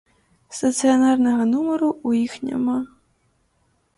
Стацыянарнага нумару у іх няма.